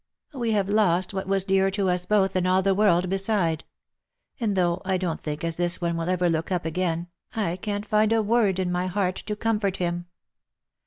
We have lost what was dearer to us both than all the world beside — and though I don't think as this one will ever look up again, I can't find a word in my heart to comfort him